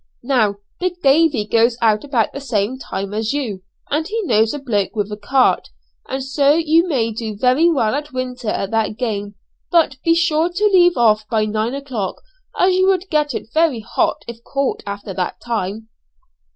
Now big Davey goes out about the same time as you, and he knows a bloke with a cart, and so you may do very well all winter at that game; but be sure to leave off by nine o'clock as you would get it very hot if caught after that time!"